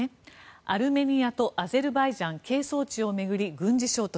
アルメニアとアゼルバイジャン係争地巡り軍事衝突。